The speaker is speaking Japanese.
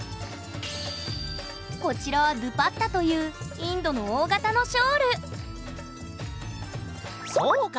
こちらはドゥパッタというインドの大型のショールそうか！